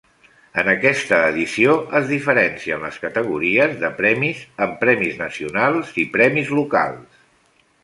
En aquesta edició es diferencien les categories de premis en Premis Nacionals i Premis Locals.